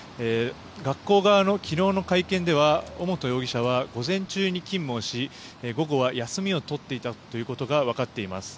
学校側の昨日の会見では尾本容疑者は午前中に勤務をし午後は休みを取っていたことが分かっています。